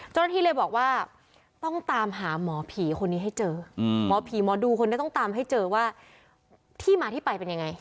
เจ้าหน้าที่เลยบอกว่าต้องตามหาหมอผีคนนี้ให้เจอหมอผีหมอดูคนนี้ต้องตามให้เจอว่าที่มาที่ไปเป็นยังไง